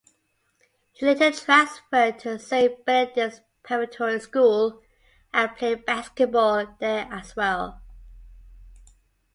He later transferred to Saint Benedict's Preparatory School and played basketball there as well.